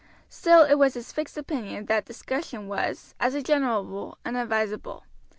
Still it was his fixed opinion that discussion was, as a general rule, unadvisable.